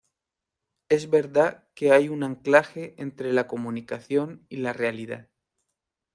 Es verdad que hay un anclaje entre la comunicación y la realidad..